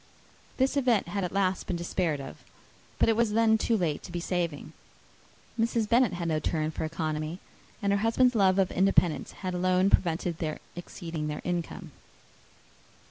This event had at last been despaired of, but it was then too late to be saving. Mrs. Bennet had no turn for economy; and her husband's love of independence had alone prevented their exceeding their income.